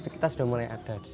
kita sudah mulai